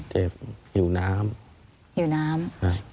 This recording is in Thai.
เจ็บหิวน้ำ